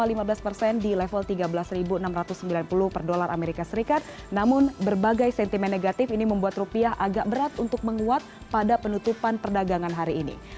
lima belas persen di level tiga belas enam ratus sembilan puluh per dolar as namun berbagai sentimen negatif ini membuat rupiah agak berat untuk menguat pada penutupan perdagangan hari ini